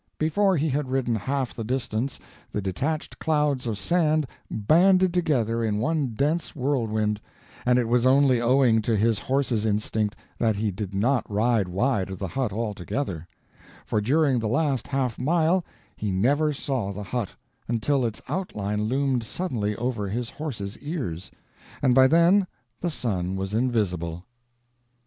Before he had ridden half the distance the detached clouds of sand banded together in one dense whirlwind, and it was only owing to his horse's instinct that he did not ride wide of the hut altogether; for during the last half mile he never saw the hut, until its outline loomed suddenly over his horse's ears; and by then the sun was invisible.